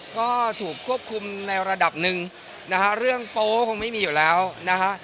ก็ถูกควบคุมในระดับหนึ่งนะฮะเรื่องโป๊คงไม่มีอยู่แล้วนะฮะ